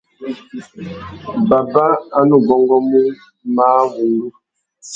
Baba a nu bôngômú máh wŭndú.